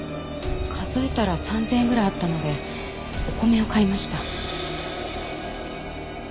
数えたら３０００円ぐらいあったのでお米を買いました。